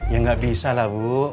ya gak bisalah bu